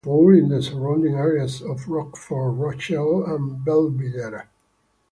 This time there were four in the surrounding areas of Rockford, Rochelle, and Belvidere.